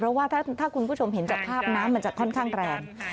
เพราะว่าถ้าคุณผู้ชมเห็นจากภาพน้ำมันจะค่อนข้างแรง